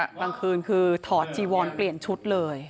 กลางคืนคือถอดจีวอนเปลี่ยนชุดเลย